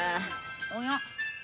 おや？